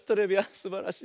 すばらしい。